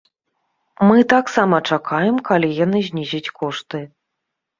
Мы таксама чакаем, калі яны знізяць кошты.